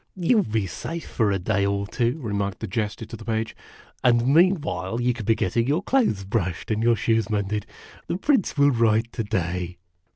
o " You '11 be safe for a day or two," remarked the Jester to the Page ;" and meanwhile you can be getting your clothes brushed and your shoes mended. The Prince will write to day."